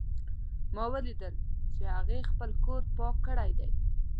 ما ولیدل چې هغې خپل کور پاک کړی ده